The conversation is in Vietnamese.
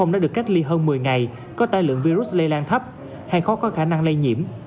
đã được cách ly hơn một mươi ngày có tai lượng virus lây lan thấp hay khó có khả năng lây nhiễm